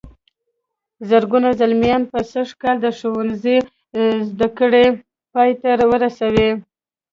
زرګونه زلميان به سږ کال د ښوونځي زدهکړې پای ته ورسوي.